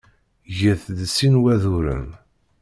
Get-d sin waduren.